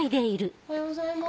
おはようございます。